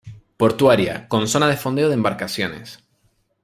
Portuaria, con zona de fondeo de embarcaciones.